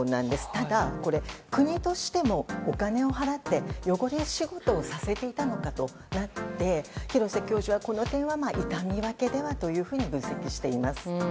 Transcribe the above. ただ、国としてもお金を払って汚れ仕事をさせていたのかとなって廣瀬教授はこの点は痛み分けではと分析しています。